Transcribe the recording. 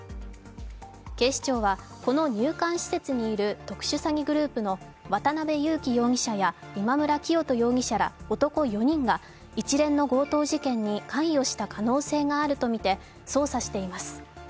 警視庁は、この入管施設にいる特殊詐欺グループの渡辺優樹容疑者や今村磨人容疑者ら男４人が一連の強盗事件に関与した可能性があるとみて捜査しています。